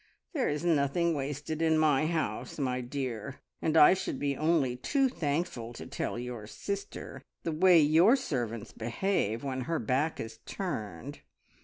"There is nothing wasted in my house, my dear, and I should be only too thankful to tell your sister the way your servants behave when her back is turned.